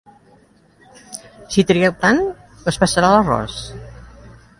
Si trigueu tant, es passarà l'arròs.